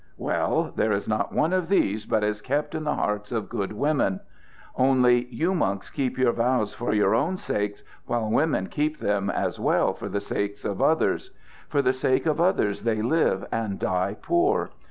Well, there is not one of these but is kept in the hearts of good women. Only, you monks keep your vows for your own sakes, while women keep them as well for the sakes of others. For the sake of others they live and die poor.